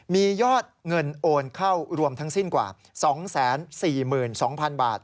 มียอดเงินโอนเข้ารวมทั้งสิ้นกว่า๒๔๒๐๐๐บาท